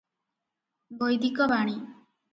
ବୈଦିକ ବାଣୀ